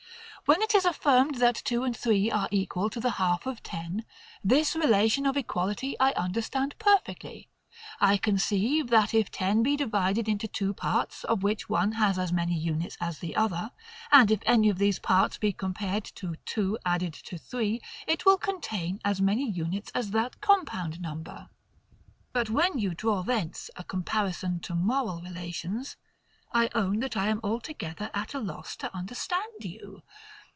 When it is affirmed that two and three are equal to the half of ten, this relation of equality I understand perfectly. I conceive, that if ten be divided into two parts, of which one has as many units as the other; and if any of these parts be compared to two added to three, it will contain as many units as that compound number. But when you draw thence a comparison to moral relations, I own that I am altogether at a loss to understand you.